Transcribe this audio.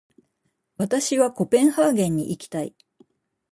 私はコペンハーゲンに行きたい。